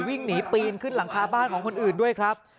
วิ่งหนีปีนขึ้นหลังคาบ้านของคนอื่นด้วยครับ